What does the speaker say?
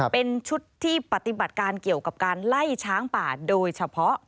เป็นชุดที่ปฏิบัติการเกี่ยวกับการไล่ช้างป่าโดยเฉพาะ